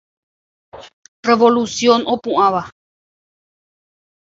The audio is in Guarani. Revolución opu'ãva.